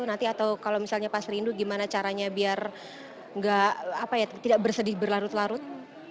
nanti atau kalau misalnya pas rindu gimana caranya biar tidak bersedih berlarut larut